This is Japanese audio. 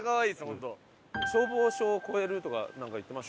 消防署を越えるとかなんか言ってました？